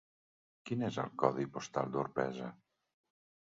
Quin és el codi postal d'Orpesa?